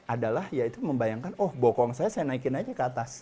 adalah ya itu membayangkan oh bokong saya saya naikin aja ke atas